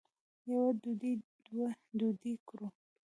یوه ډوډۍ دوه ډوډۍ کړو.